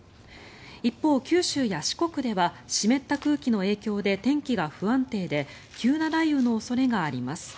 一方、九州や四国では湿った空気の影響で天気が不安定で急な雷雨の恐れがあります。